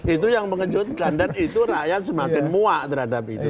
itu yang mengejutkan dan itu rakyat semakin muak terhadap itu